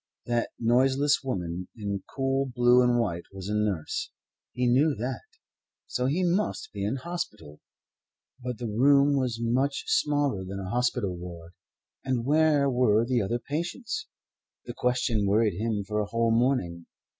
That noiseless woman in coot blue and white was a nurse. He knew that. So he must be in hospital. But the room was much smaller than a hospital ward; and where were the other patients? The question worried him for a whole morning.